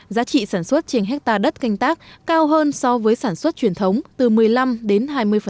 giá trị sản xuất trên hectare đất canh tác cao hơn so với sản xuất truyền thống từ một mươi năm đến hai mươi